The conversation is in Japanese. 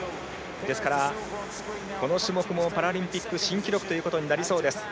ですから、この種目もパラリンピック新記録ということになりそうです。